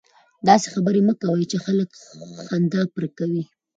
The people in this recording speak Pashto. داسي خبري مه کوئ! چي خلک خندا پر کوي.